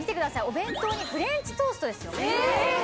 お弁当にフレンチトーストですよ。